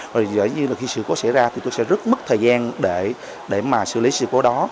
rồi như là khi sự cố xảy ra thì tôi sẽ rất mất thời gian để mà xử lý sự cố đó